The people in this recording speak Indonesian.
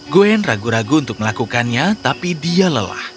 gwen ragu ragu untuk melakukannya tapi dia lelah